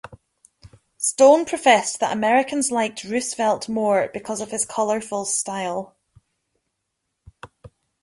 Stone professed that Americans liked Roosevelt more because of his colorful style.